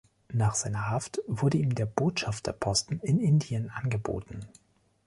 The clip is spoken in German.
Nach seiner Haft wurde ihm der Botschafterposten in Indien angeboten.